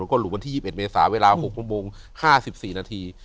แล้วก็หลุดวันที่๒๑เมษาเวลา๖โมง๕๔นาที